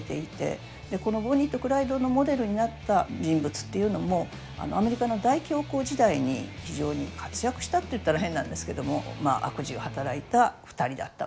このボニーとクライドのモデルになった人物っていうのもアメリカの大恐慌時代に非常に活躍したって言ったら変なんですけどもまあ悪事を働いた２人だったわけです。